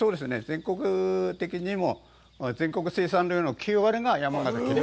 全国的にも全国生産量の９割が山形。